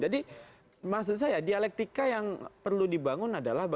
jadi maksud saya dialektika yang perlu dibangun adalah berbeda